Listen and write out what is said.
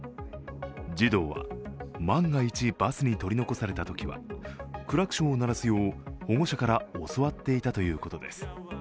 児童は万が一バスに取り残されたときは、クラクションを鳴らすよう、保護者から教わっていたということです。